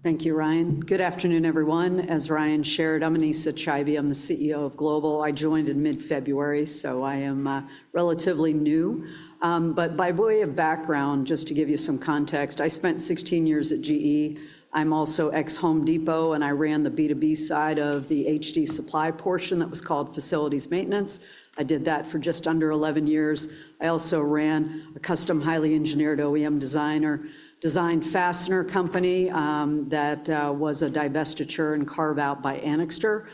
Thank you, Ryan. Good afternoon, everyone. As Ryan shared, I'm Anesa Chaibi. I'm the CEO of Global Industrial. I joined in mid-February, so I am relatively new. By way of background, just to give you some context, I spent 16 years at GE. I'm also ex-Home Depot, and I ran the B2B side of the HD Supply portion that was called Facilities Maintenance. I did that for just under 11 years. I also ran a custom highly engineered OEM designer design fastener company that was a divestiture and carve-out by Anixter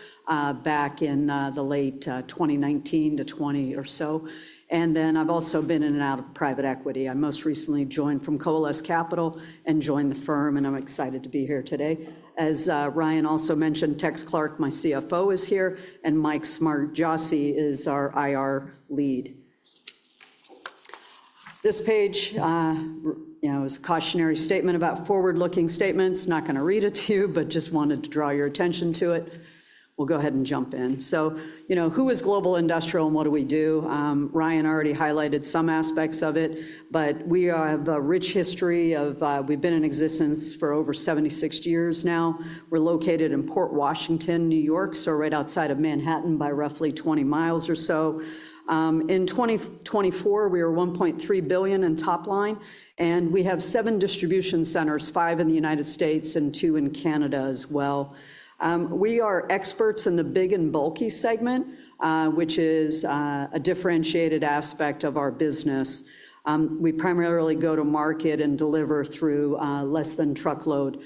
back in the late 2019 to 2020 or so. I have also been in and out of private equity. I most recently joined from Coalesce Capital and joined the firm, and I'm excited to be here today. As Ryan also mentioned, Tex Clark, my CFO, is here, and Mike Smargiassi is our IR lead. This page, you know, is a cautionary statement about forward-looking statements. Not going to read it to you, but just wanted to draw your attention to it. We'll go ahead and jump in. You know, who is Global Industrial and what do we do? Ryan already highlighted some aspects of it, but we have a rich history of, we've been in existence for over 76 years now. We're located in Port Washington, New York, so right outside of Manhattan by roughly 20 mi or so. In 2024, we were $1.3 billion in top line, and we have seven distribution centers, five in the United States and two in Canada as well. We are experts in the big and bulky segment, which is a differentiated aspect of our business. We primarily go to market and deliver through less than truckload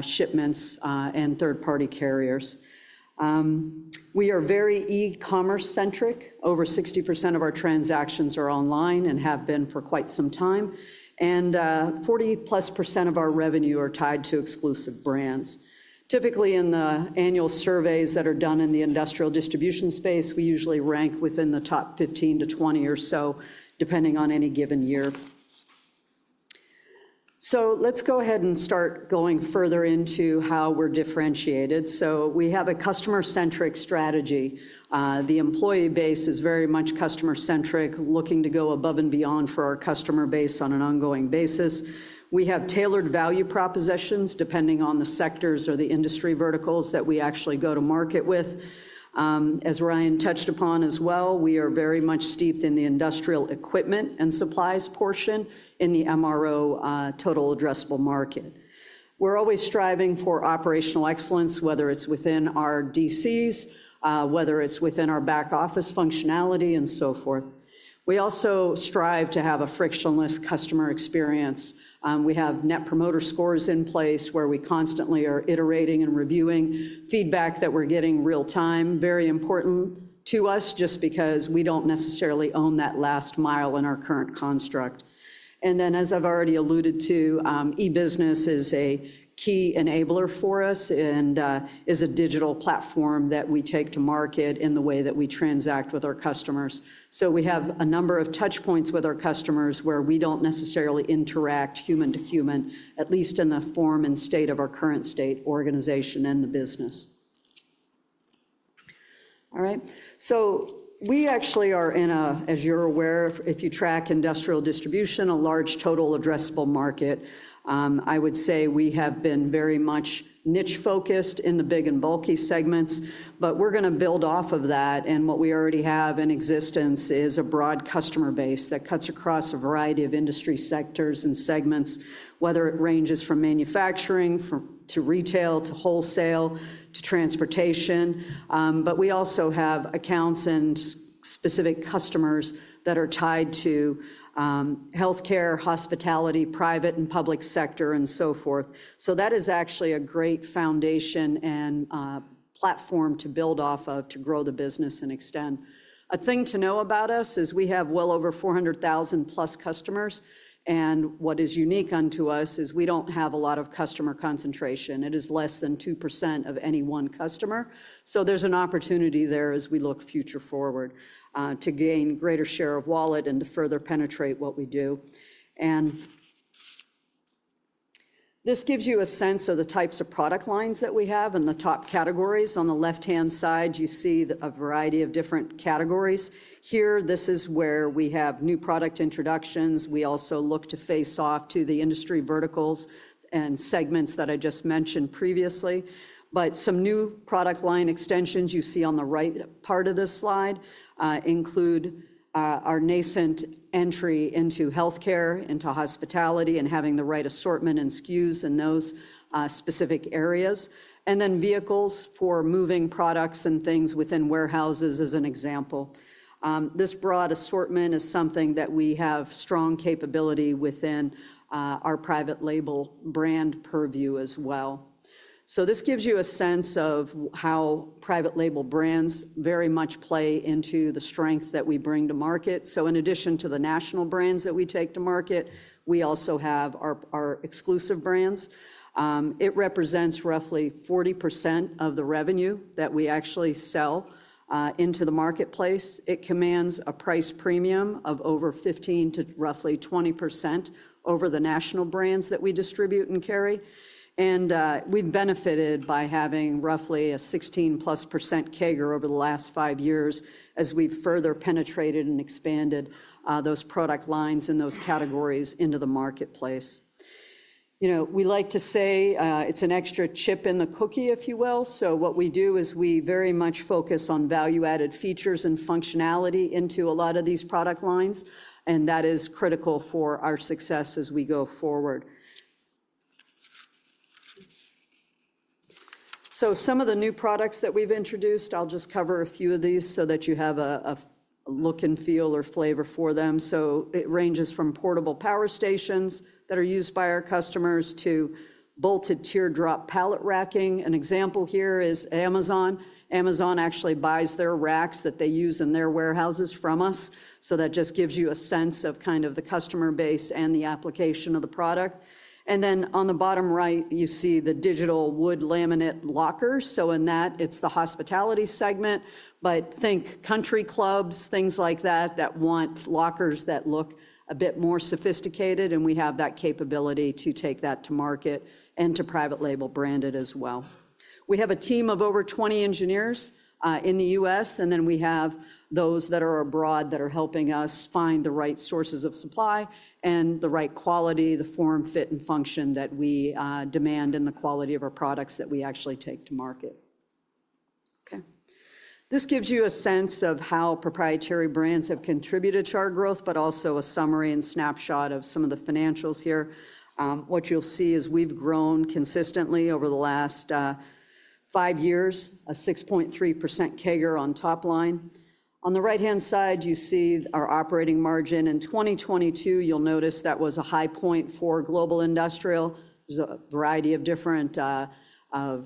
shipments and third-party carriers. We are very e-commerce-centric. Over 60% of our transactions are online and have been for quite some time. Forty plus percent of our revenue are tied to exclusive brands. Typically, in the annual surveys that are done in the industrial distribution space, we usually rank within the top 15-20 or so, depending on any given year. Let's go ahead and start going further into how we're differentiated. We have a customer-centric strategy. The employee base is very much customer-centric, looking to go above and beyond for our customer base on an ongoing basis. We have tailored value propositions depending on the sectors or the industry verticals that we actually go to market with. As Ryan touched upon as well, we are very much steeped in the industrial equipment and supplies portion in the MRO, total addressable market. We're always striving for operational excellence, whether it's within our DCs, whether it's within our back office functionality, and so forth. We also strive to have a frictionless customer experience. We have net promoter scores in place where we constantly are iterating and reviewing feedback that we're getting real time. Very important to us just because we don't necessarily own that last mile in our current construct. As I've already alluded to, e-business is a key enabler for us and is a digital platform that we take to market in the way that we transact with our customers. We have a number of touch points with our customers where we don't necessarily interact human to human, at least in the form and state of our current state organization and the business. All right. We actually are in a, as you're aware, if you track industrial distribution, a large total addressable market. I would say we have been very much niche-focused in the big and bulky segments, but we're going to build off of that. What we already have in existence is a broad customer base that cuts across a variety of industry sectors and segments, whether it ranges from manufacturing to retail to wholesale to transportation. We also have accounts and specific customers that are tied to healthcare, hospitality, private and public sector, and so forth. That is actually a great foundation and platform to build off of to grow the business and extend. A thing to know about us is we have well over 400,000 plus customers. What is unique unto us is we don't have a lot of customer concentration. It is less than 2% of any one customer. There is an opportunity there as we look future forward, to gain greater share of wallet and to further penetrate what we do. This gives you a sense of the types of product lines that we have and the top categories. On the left-hand side, you see a variety of different categories. Here, this is where we have new product introductions. We also look to face off to the industry verticals and segments that I just mentioned previously. Some new product line extensions you see on the right part of this slide include our nascent entry into healthcare, into hospitality, and having the right assortment and SKUs in those specific areas. Then vehicles for moving products and things within warehouses as an example. This broad assortment is something that we have strong capability within, our private label brand purview as well. This gives you a sense of how private label brands very much play into the strength that we bring to market. In addition to the national brands that we take to market, we also have our, our exclusive brands. It represents roughly 40% of the revenue that we actually sell into the marketplace. It commands a price premium of over 15%-20% over the national brands that we distribute and carry. We have benefited by having roughly a 16 plus percent CAGR over the last five years as we have further penetrated and expanded those product lines and those categories into the marketplace. You know, we like to say, it is an extra chip in the cookie, if you will. What we do is we very much focus on value-added features and functionality into a lot of these product lines. That is critical for our success as we go forward. Some of the new products that we've introduced, I'll just cover a few of these so that you have a look and feel or flavor for them. It ranges from portable power stations that are used by our customers to bolted teardrop pallet racking. An example here is Amazon. Amazon actually buys their racks that they use in their warehouses from us. That just gives you a sense of the customer base and the application of the product. On the bottom right, you see the digital wood laminate lockers. In that, it's the hospitality segment, but think country clubs, things like that, that want lockers that look a bit more sophisticated. We have that capability to take that to market and to private label brand it as well. We have a team of over 20 engineers in the U.S., and then we have those that are abroad that are helping us find the right sources of supply and the right quality, the form, fit, and function that we demand in the quality of our products that we actually take to market. Okay. This gives you a sense of how proprietary brands have contributed to our growth, but also a summary and snapshot of some of the financials here. What you'll see is we've grown consistently over the last five years, a 6.3% CAGR on top line. On the right-hand side, you see our operating margin. In 2022, you'll notice that was a high point for Global Industrial. There's a variety of different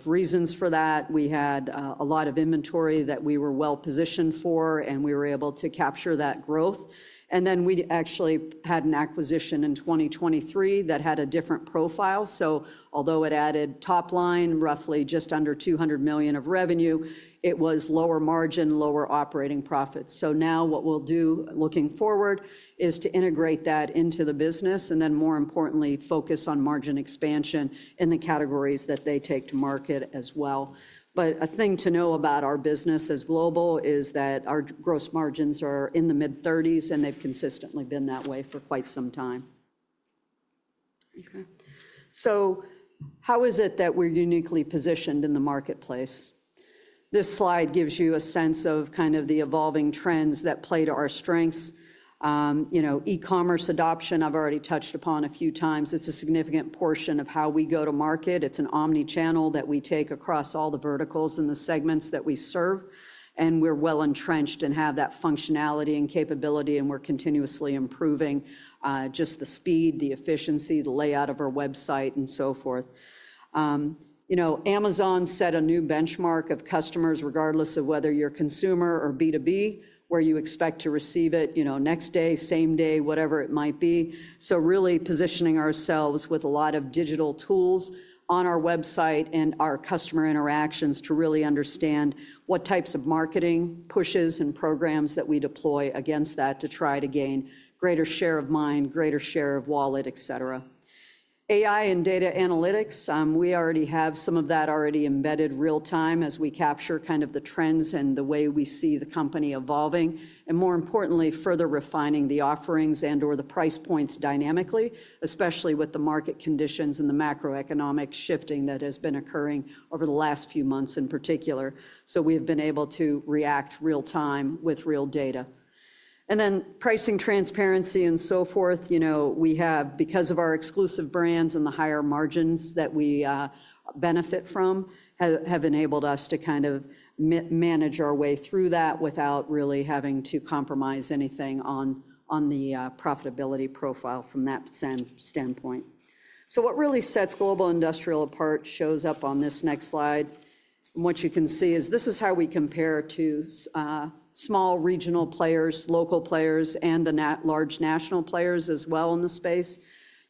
reasons for that. We had a lot of inventory that we were well positioned for, and we were able to capture that growth. We actually had an acquisition in 2023 that had a different profile. Although it added top line, roughly just under $200 million of revenue, it was lower margin, lower operating profits. What we'll do looking forward is to integrate that into the business and, more importantly, focus on margin expansion in the categories that they take to market as well. A thing to know about our business as Global is that our gross margins are in the mid-30%, and they've consistently been that way for quite some time. Okay. How is it that we're uniquely positioned in the marketplace? This slide gives you a sense of kind of the evolving trends that play to our strengths. You know, e-commerce adoption, I've already touched upon a few times. It's a significant portion of how we go to market. It's an omni-channel that we take across all the verticals and the segments that we serve. We're well entrenched and have that functionality and capability, and we're continuously improving, just the speed, the efficiency, the layout of our website, and so forth. You know, Amazon set a new benchmark of customers, regardless of whether you're a consumer or B2B, where you expect to receive it, you know, next day, same day, whatever it might be. Really positioning ourselves with a lot of digital tools on our website and our customer interactions to really understand what types of marketing pushes and programs that we deploy against that to try to gain greater share of mind, greater share of wallet, et cetera. AI and data analytics, we already have some of that already embedded real time as we capture kind of the trends and the way we see the company evolving. More importantly, further refining the offerings and/or the price points dynamically, especially with the market conditions and the macroeconomic shifting that has been occurring over the last few months in particular. We have been able to react real time with real data. Pricing transparency and so forth, you know, we have, because of our exclusive brands and the higher margins that we benefit from, have enabled us to kind of manage our way through that without really having to compromise anything on the profitability profile from that standpoint. What really sets Global Industrial apart shows up on this next slide. What you can see is this is how we compare to small regional players, local players, and the large national players as well in the space.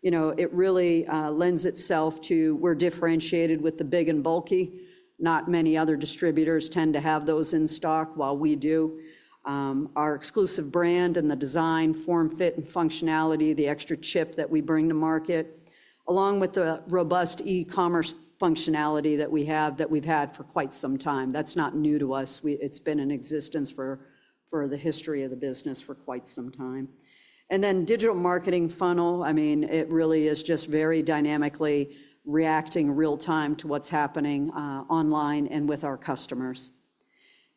You know, it really lends itself to we're differentiated with the big and bulky. Not many other distributors tend to have those in stock while we do. Our exclusive brand and the design, form, fit, and functionality, the extra chip that we bring to market, along with the robust e-commerce functionality that we have that we've had for quite some time. That's not new to us. It's been in existence for the history of the business for quite some time. The digital marketing funnel, I mean, it really is just very dynamically reacting real time to what's happening online and with our customers.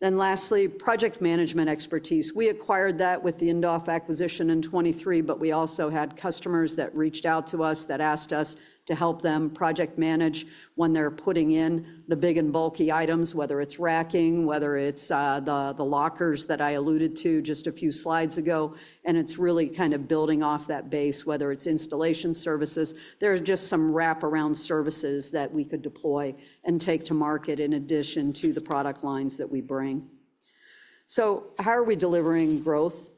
Lastly, project management expertise. We acquired that with the Indoff acquisition in 2023, but we also had customers that reached out to us that asked us to help them project manage when they're putting in the big and bulky items, whether it's racking, whether it's the lockers that I alluded to just a few slides ago. It's really kind of building off that base, whether it's installation services. There are just some wrap-around services that we could deploy and take to market in addition to the product lines that we bring. How are we delivering growth?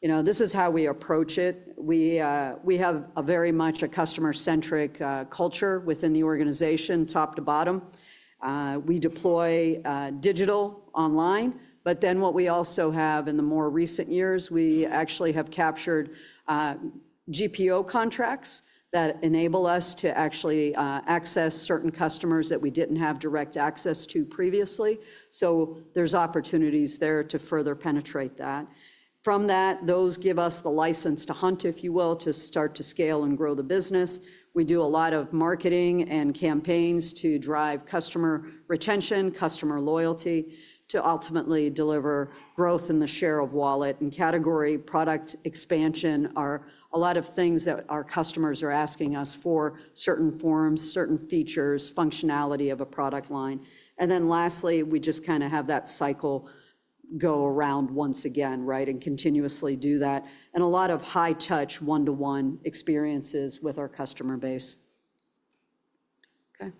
You know, this is how we approach it. We have a very much a customer-centric culture within the organization, top to bottom. We deploy digital online, but then what we also have in the more recent years, we actually have captured GPO contracts that enable us to actually access certain customers that we did not have direct access to previously. There are opportunities there to further penetrate that. From that, those give us the license to hunt, if you will, to start to scale and grow the business. We do a lot of marketing and campaigns to drive customer retention, customer loyalty, to ultimately deliver growth in the share of wallet and category product expansion. There are a lot of things that our customers are asking us for, certain forms, certain features, functionality of a product line. Lastly, we just kind of have that cycle go around once again, right, and continuously do that. A lot of high-touch, one-to-one experiences with our customer base. Okay.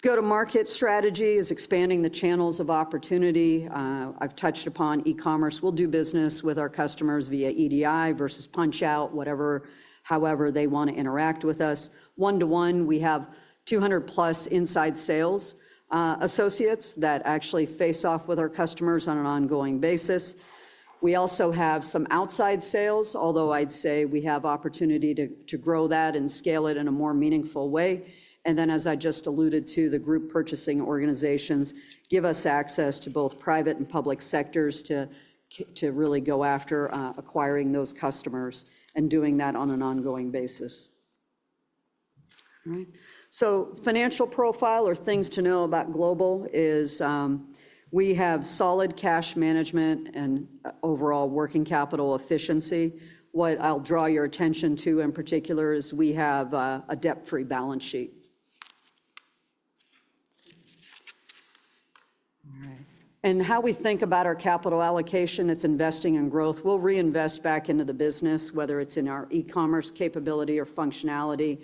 Go to market strategy is expanding the channels of opportunity. I have touched upon e-commerce. We will do business with our customers via EDI versus PunchOut, whatever, however they want to interact with us. One-to-one, we have 200 plus inside sales associates that actually face off with our customers on an ongoing basis. We also have some outside sales, although I would say we have opportunity to grow that and scale it in a more meaningful way. As I just alluded to, the group purchasing organizations give us access to both private and public sectors to really go after acquiring those customers and doing that on an ongoing basis. All right. Financial profile or things to know about Global is, we have solid cash management and overall working capital efficiency. What I'll draw your attention to in particular is we have a debt-free balance sheet. All right. How we think about our capital allocation, it's investing in growth. We'll reinvest back into the business, whether it's in our e-commerce capability or functionality,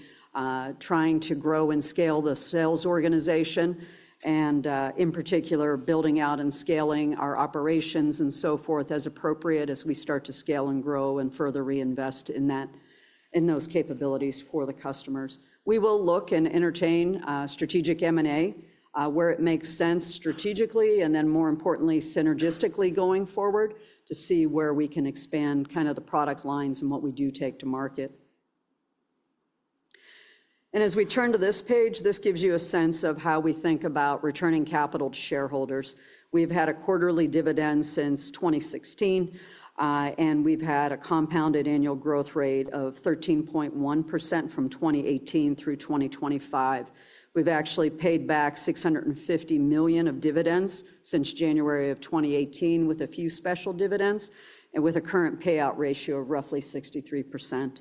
trying to grow and scale the sales organization and, in particular, building out and scaling our operations and so forth as appropriate as we start to scale and grow and further reinvest in that, in those capabilities for the customers. We will look and entertain, strategic M&A, where it makes sense strategically and then, more importantly, synergistically going forward to see where we can expand kind of the product lines and what we do take to market. As we turn to this page, this gives you a sense of how we think about returning capital to shareholders. We've had a quarterly dividend since 2016, and we've had a compounded annual growth rate of 13.1% from 2018 through 2025. We've actually paid back $650 million of dividends since January of 2018 with a few special dividends and with a current payout ratio of roughly 63%.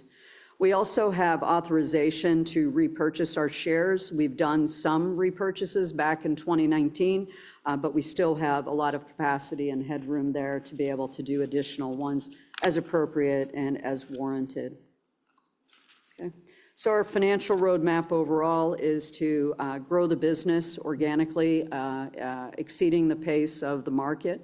We also have authorization to repurchase our shares. We've done some repurchases back in 2019, but we still have a lot of capacity and headroom there to be able to do additional ones as appropriate and as warranted. Our financial roadmap overall is to grow the business organically, exceeding the pace of the market.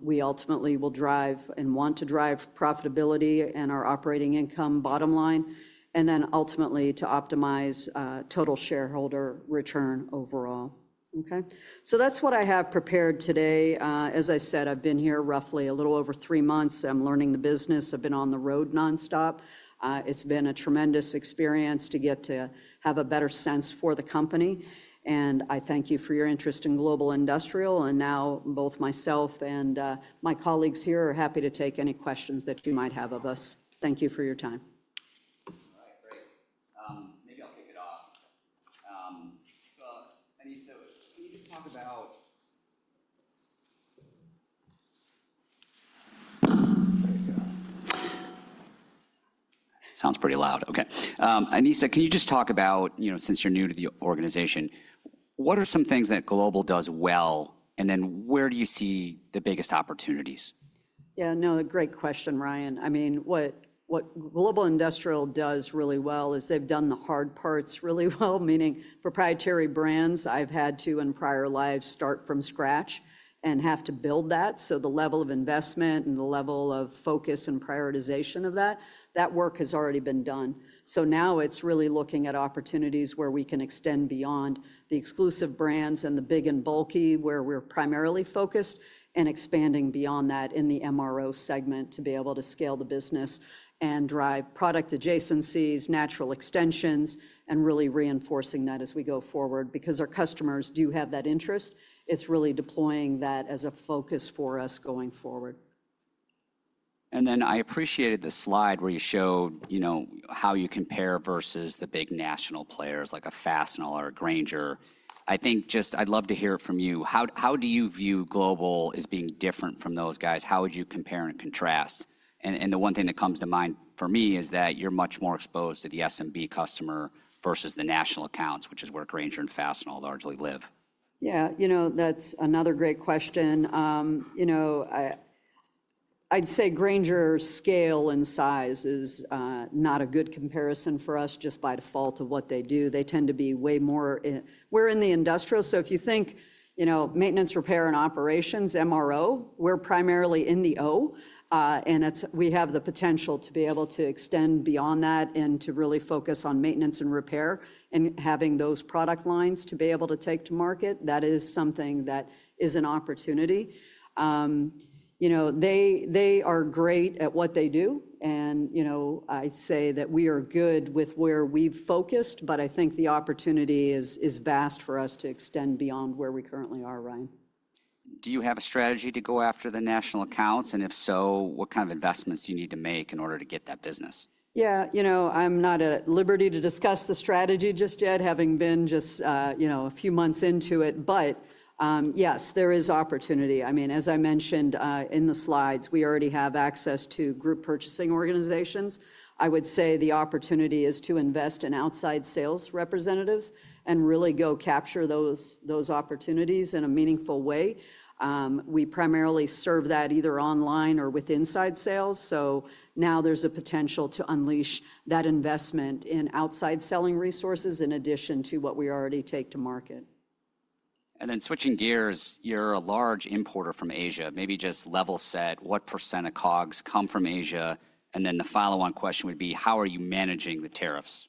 We ultimately will drive and want to drive profitability and our operating income bottom line, and then ultimately to optimize total shareholder return overall. That's what I have prepared today. As I said, I've been here roughly a little over three months. I'm learning the business. I've been on the road nonstop. It's been a tremendous experience to get to have a better sense for the company. I thank you for your interest in Global Industrial. Now both myself and my colleagues here are happy to take any questions that you might have of us. Thank you for your time. All right. Great. Maybe I'll kick it off. Anesa, can you just talk about—sounds pretty loud. Okay. Anesa, can you just talk about, you know, since you're new to the organization, what are some things that Global does well and then where do you see the biggest opportunities? Yeah, no, great question, Ryan. I mean, what Global Industrial does really well is they've done the hard parts really well, meaning proprietary brands. I've had to, in prior lives, start from scratch and have to build that. The level of investment and the level of focus and prioritization of that, that work has already been done. Now it's really looking at opportunities where we can extend beyond the exclusive brands and the big and bulky where we're primarily focused and expanding beyond that in the MRO segment to be able to scale the business and drive product adjacencies, natural extensions, and really reinforcing that as we go forward because our customers do have that interest. It's really deploying that as a focus for us going forward. I appreciated the slide where you showed, you know, how you compare versus the big national players like a Fastenal or a Grainger. I think just I'd love to hear it from you. How, how do you view Global as being different from those guys? How would you compare and contrast? The one thing that comes to mind for me is that you're much more exposed to the S&B customer versus the national accounts, which is where Grainger and Fastenal largely live. Yeah, you know, that's another great question. You know, I'd say Grainger scale and size is not a good comparison for us just by default of what they do. They tend to be way more in—we're in the industrial. If you think, you know, maintenance, repair, and operations, MRO, we're primarily in the O, and it's—we have the potential to be able to extend beyond that and to really focus on maintenance and repair and having those product lines to be able to take to market. That is something that is an opportunity. You know, they are great at what they do. And, you know, I'd say that we are good with where we've focused, but I think the opportunity is vast for us to extend beyond where we currently are, Ryan. Do you have a strategy to go after the national accounts? And if so, what kind of investments do you need to make in order to get that business? Yeah, you know, I'm not at liberty to discuss the strategy just yet, having been just, you know, a few months into it, but, yes, there is opportunity. I mean, as I mentioned, in the slides, we already have access to group purchasing organizations. I would say the opportunity is to invest in outside sales representatives and really go capture those opportunities in a meaningful way. We primarily serve that either online or with inside sales. Now there's a potential to unleash that investment in outside selling resources in addition to what we already take to market. Switching gears, you're a large importer from Asia. Maybe just level set, what % of COGS come from Asia? The follow-on question would be, how are you managing the tariffs?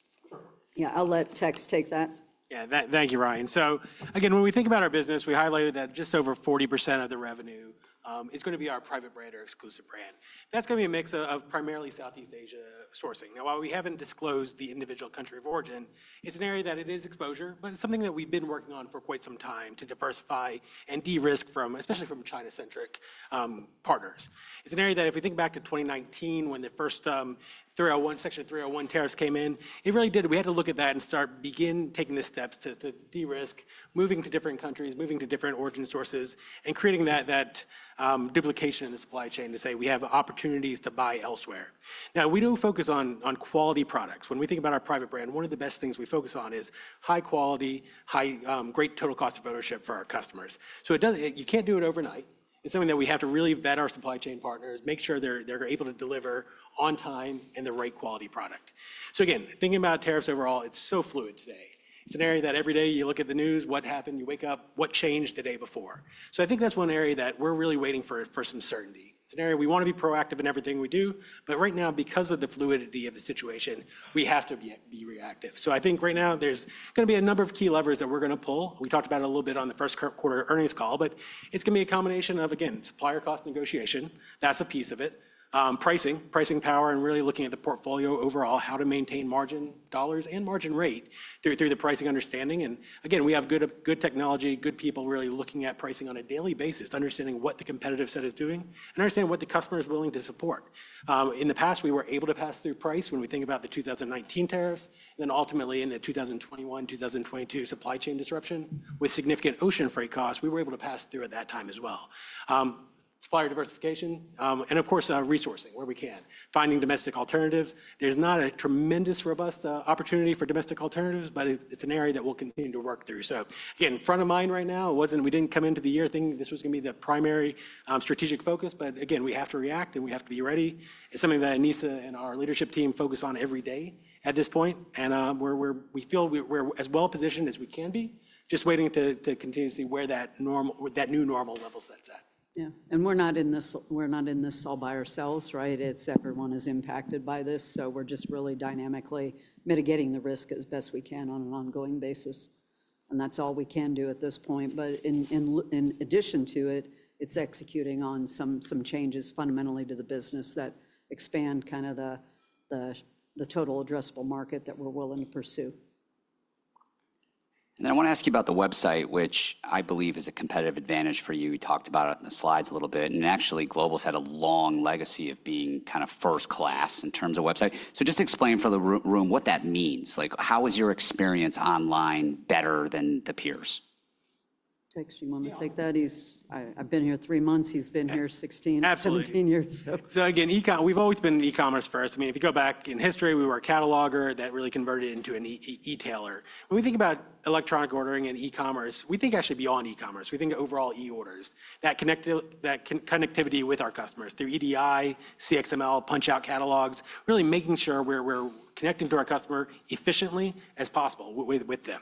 I'll let Tex take that. Thank you, Ryan. When we think about our business, we highlighted that just over 40% of the revenue is going to be our private brand or exclusive brand. That's going to be a mix of primarily Southeast Asia sourcing. Now, while we haven't disclosed the individual country of origin, it's an area that it is exposure, but it's something that we've been working on for quite some time to diversify and de-risk from, especially from China-centric partners. It's an area that if we think back to 2019, when the first section 301 tariffs came in, it really did, we had to look at that and start, begin taking the steps to de-risk, moving to different countries, moving to different origin sources, and creating that duplication in the supply chain to say we have opportunities to buy elsewhere. Now, we do focus on quality products. When we think about our private brand, one of the best things we focus on is high quality, high, great total cost of ownership for our customers. So it doesn't, you can't do it overnight. It's something that we have to really vet our supply chain partners, make sure they're able to deliver on time and the right quality product. Again, thinking about tariffs overall, it's so fluid today. It's an area that every day you look at the news, what happened, you wake up, what changed the day before. I think that's one area that we're really waiting for, for some certainty. It's an area we want to be proactive in everything we do, but right now, because of the fluidity of the situation, we have to be reactive. I think right now there's going to be a number of key levers that we're going to pull. We talked about it a little bit on the first quarter earnings call, but it's going to be a combination of, again, supplier cost negotiation. That's a piece of it. Pricing, pricing power, and really looking at the portfolio overall, how to maintain margin dollars and margin rate through the pricing understanding. Again, we have good technology, good people really looking at pricing on a daily basis, understanding what the competitive set is doing, and understanding what the customer is willing to support. In the past, we were able to pass through price when we think about the 2019 tariffs, and then ultimately in the 2021, 2022 supply chain disruption with significant ocean freight costs, we were able to pass through at that time as well. Supplier diversification, and of course, resourcing where we can, finding domestic alternatives. There is not a tremendous robust opportunity for domestic alternatives, but it is an area that we will continue to work through. Again, front of mind right now, it wasn't, we didn't come into the year thinking this was going to be the primary, strategic focus, but again, we have to react and we have to be ready. It's something that Anesa and our leadership team focus on every day at this point. We're, we feel we're as well positioned as we can be, just waiting to continue to see where that normal, that new normal level sets at. Yeah. We're not in this, we're not in this all by ourselves, right? Everyone is impacted by this. We're just really dynamically mitigating the risk as best we can on an ongoing basis. That's all we can do at this point. In addition to it, it's executing on some changes fundamentally to the business that expand kind of the total addressable market that we're willing to pursue. I want to ask you about the website, which I believe is a competitive advantage for you. You talked about it in the slides a little bit. Actually, Global has had a long legacy of being kind of first class in terms of website. Just explain for the room what that means. Like, how is your experience online better than the peers? Tex, you want to take that? I've been here three months. He's been here 16, 17 years. Again, e-com, we've always been e-commerce first. I mean, if you go back in history, we were a cataloger that really converted into an e-tailer. When we think about electronic ordering and e-commerce, we think I should be all on e-commerce. We think overall e-orders, that connectivity, that connectivity with our customers through EDI, cXML, PunchOut catalogs, really making sure we're connecting to our customer efficiently as possible with them.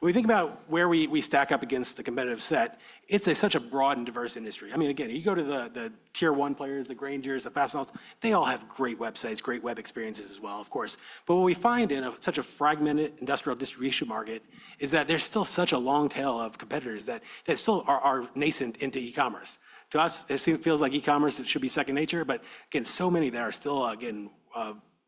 When we think about where we stack up against the competitive set, it's such a broad and diverse industry. I mean, again, you go to the tier one players, the Graingers, the Fastenals, they all have great websites, great web experiences as well, of course. What we find in a such a fragmented industrial distribution market is that there's still such a long tail of competitors that still are nascent into e-commerce. To us, it feels like e-commerce, it should be second nature, but again, so many that are still, again,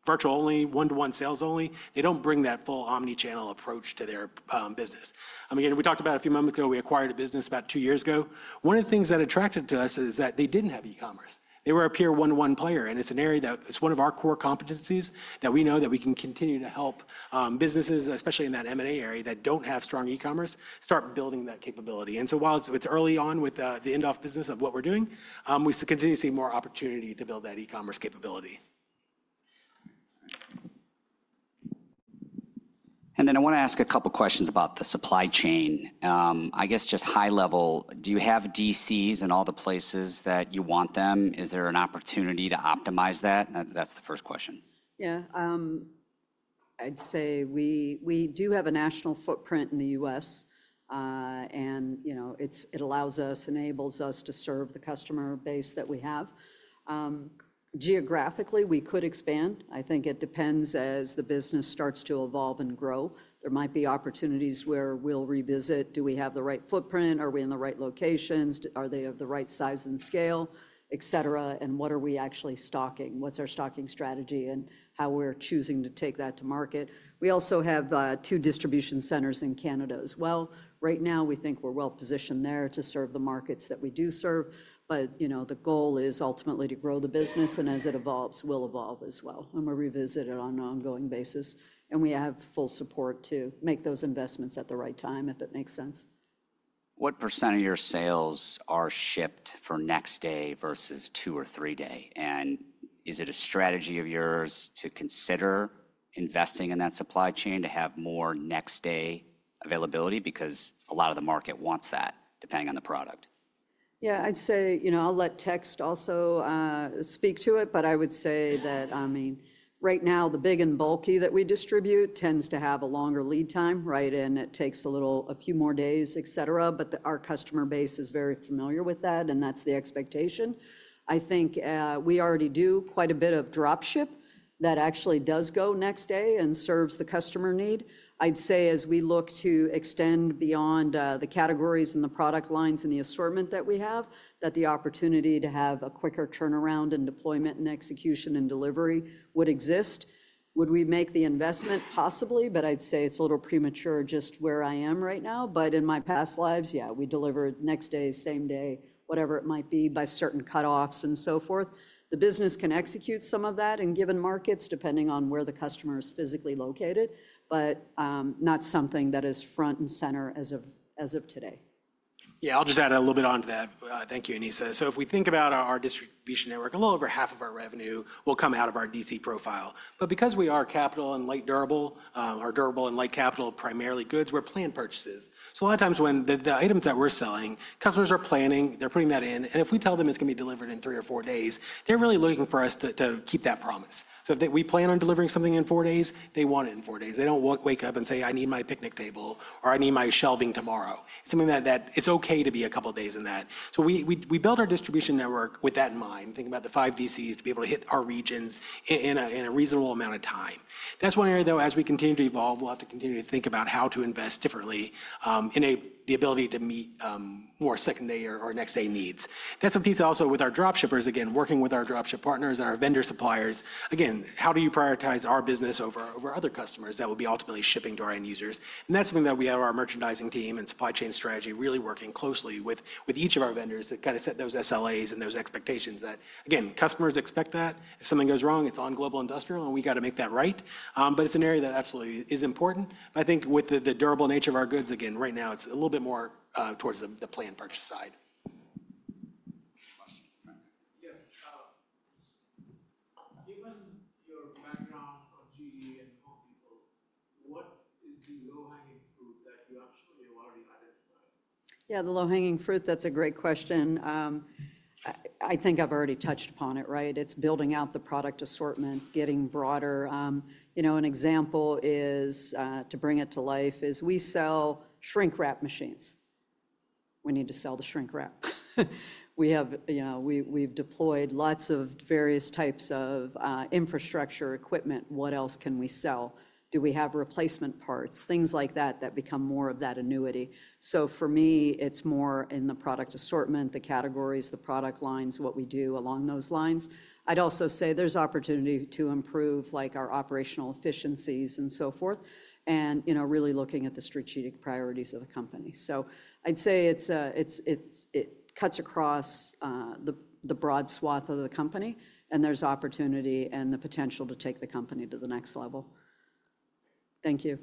virtual only, one-to-one sales only. They don't bring that full omnichannel approach to their business. I mean, we talked about a few moments ago, we acquired a business about two years ago. One of the things that attracted us is that they didn't have e-commerce. They were a pure one-to-one player. It's an area that is one of our core competencies that we know we can continue to help businesses, especially in that M&A area that don't have strong e-commerce, start building that capability. While it's early on with the Indoff business of what we're doing, we continue to see more opportunity to build that e-commerce capability. I want to ask a couple of questions about the supply chain. I guess just high level, do you have DCs in all the places that you want them? Is there an opportunity to optimize that? That's the first question. Yeah. I'd say we do have a national footprint in the U.S., and, you know, it allows us, enables us to serve the customer base that we have. Geographically, we could expand. I think it depends as the business starts to evolve and grow. There might be opportunities where we'll revisit. Do we have the right footprint? Are we in the right locations? Are they of the right size and scale, etc.? And what are we actually stocking? What's our stocking strategy and how we're choosing to take that to market? We also have two distribution centers in Canada as well. Right now, we think we're well positioned there to serve the markets that we do serve. You know, the goal is ultimately to grow the business. As it evolves, we'll evolve as well. We're revisited on an ongoing basis. We have full support to make those investments at the right time, if it makes sense. What % of your sales are shipped for next day versus two or three day? Is it a strategy of yours to consider investing in that supply chain to have more next day availability? Because a lot of the market wants that, depending on the product. Yeah, I'd say, you know, I'll let Tex also speak to it, but I would say that, I mean, right now, the big and bulky that we distribute tends to have a longer lead time, right? It takes a little, a few more days, etc. Our customer base is very familiar with that. That's the expectation. I think we already do quite a bit of dropship that actually does go next day and serves the customer need. I'd say as we look to extend beyond, the categories and the product lines and the assortment that we have, that the opportunity to have a quicker turnaround and deployment and execution and delivery would exist. Would we make the investment? Possibly. I'd say it's a little premature just where I am right now. In my past lives, yeah, we delivered next day, same day, whatever it might be by certain cutoffs and so forth. The business can execute some of that in given markets, depending on where the customer is physically located, but not something that is front and center as of, as of today. I'll just add a little bit on to that. Thank you, Anesa. If we think about our distribution network, a little over half of our revenue will come out of our DC profile. Because we are capital and light durable, or durable and light capital, primarily goods, we're planned purchases. A lot of times when the items that we're selling, customers are planning, they're putting that in. If we tell them it's going to be delivered in three or four days, they're really looking for us to keep that promise. If we plan on delivering something in four days, they want it in four days. They do not wake up and say, I need my picnic table or I need my shelving tomorrow. Something that, that it's okay to be a couple of days in that. We build our distribution network with that in mind, thinking about the five DCs to be able to hit our regions in a reasonable amount of time. That's one area though, as we continue to evolve, we'll have to continue to think about how to invest differently, in the ability to meet more second day or next day needs. That's a piece also with our dropshippers, again, working with our dropship partners and our vendor suppliers. Again, how do you prioritize our business over other customers that will be ultimately shipping to our end users? That's something that we have our merchandising team and supply chain strategy really working closely with, with each of our vendors that kind of set those SLAs and those expectations that, again, customers expect that if something goes wrong, it's on Global Industrial and we got to make that right. It is an area that absolutely is important. I think with the durable nature of our goods, again, right now it's a little bit more towards the planned purchase side. Question. Yes. Given your background of GE and Coke people, what is? Yeah, the low hanging fruit, that's a great question. I think I've already touched upon it, right? It's building out the product assortment, getting broader. You know, an example is, to bring it to life is we sell shrink wrap machines. We need to sell the shrink wrap. We have, you know, we've deployed lots of various types of infrastructure equipment. What else can we sell? Do we have replacement parts, things like that, that become more of that annuity? For me, it's more in the product assortment, the categories, the product lines, what we do along those lines. I'd also say there's opportunity to improve, like our operational efficiencies and so forth. You know, really looking at the strategic priorities of the company. I'd say it cuts across the broad swath of the company and there's opportunity and the potential to take the company to the next level. Thank you.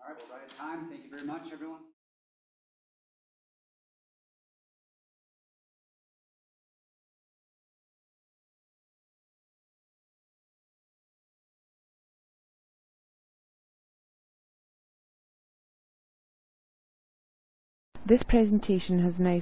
All right. Bye. Thank you very much, everyone. This presentation has now.